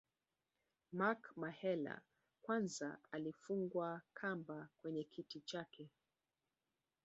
Mark Mahela kwanza alifungwa kamba kwenye kiti chake